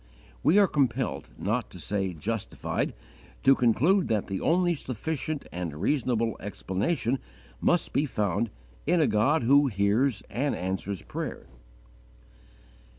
_ We are compelled, not to say justified, to conclude that the only sufficient and reasonable explanation must be found in a God who hears and answers prayer.